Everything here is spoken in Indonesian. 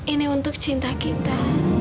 ini untuk cinta kita